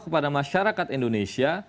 kepada masyarakat indonesia